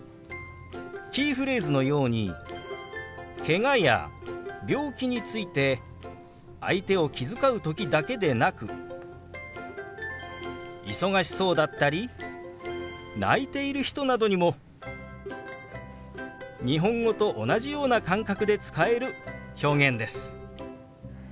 キーフレーズのようにけがや病気について相手を気遣う時だけでなく忙しそうだったり泣いている人などにも日本語と同じような感覚で使える表現です。